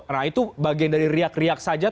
nah itu bagian dari riak riak saja